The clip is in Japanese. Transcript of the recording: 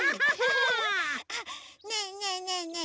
あっねえねえねえねえ